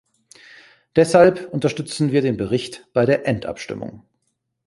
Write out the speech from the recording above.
Deshalb unterstützen wir den Bericht bei der Endabstimmung.